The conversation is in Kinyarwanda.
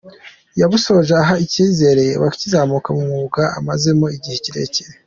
Yabusoje aha icyizere abakizamuka mu mwuga amazemo igihe kirekire.